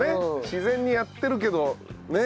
自然にやってるけどね。